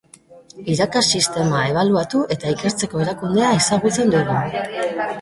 Irakas sistema ebaluatu eta ikertzeko erakundea ezagutzen dugu.